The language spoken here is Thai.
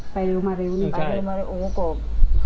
ไปเร็วโอ้โหโกรธ